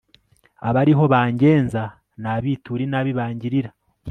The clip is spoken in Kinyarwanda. abariho bangenza, nabiture inabi bangirira